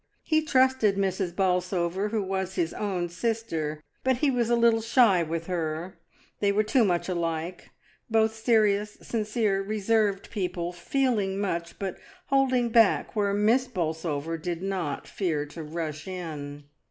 He trusted Mrs. Bol sover, who was his own sister, but he was a little shy with her — they were too much alike, both serious, sincere, reserved people, feeling much, but holding back where Miss Bolsover did not fear to BEACON FIRES. 1 37 rush in.